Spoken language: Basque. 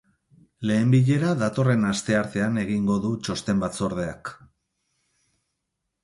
Lehen bilera datorren asteartean egingo du txosten-batzordeak.